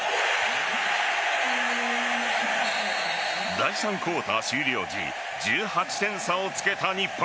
第３クオーター終了時１８点差をつけた日本。